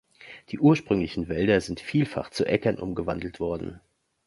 Die ursprünglichen Wälder sind vielfach zu Äckern umgewandelt worden.